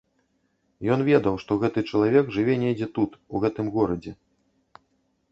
Ён ведаў, што гэты чалавек жыве недзе тут, у гэтым горадзе.